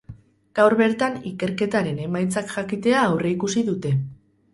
Gaur bertan ikerketaren emaitzak jakitea aurreikusi dute.